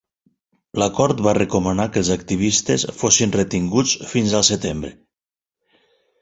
La cort va recomanar que els activistes fossin retinguts fins al setembre.